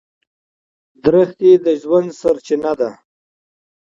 ونې د ژوند سرچینه ده.